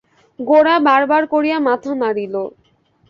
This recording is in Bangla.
গোরা বার বার করিয়া মাথা নাড়িল।